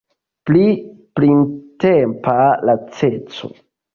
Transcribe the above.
Pri printempa laceco.